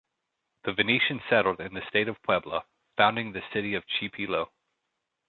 The Venetians settled in the State of Puebla, founding the city of Chipilo.